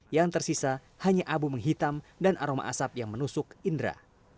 yang tersisa hanya abu menghitam dan aroma asap yang menusuk indera